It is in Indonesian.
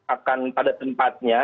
akan pada tempatnya